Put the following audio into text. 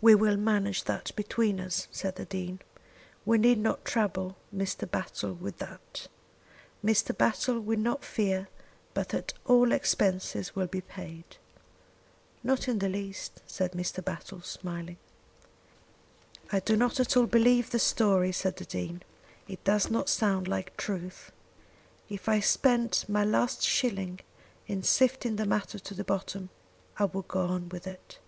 "We will manage that between us," said the Dean. "We need not trouble Mr. Battle with that. Mr. Battle will not fear but that all expenses will be paid." "Not in the least," said Mr. Battle, smiling. "I do not at all believe the story," said the Dean. "It does not sound like truth. If I spent my last shilling in sifting the matter to the bottom, I would go on with it.